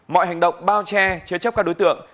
mọi hành động bao che chứa chấp các đối tượng